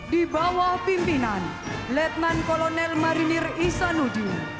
dibawah pimpinan letnan kolonel marinir isanudin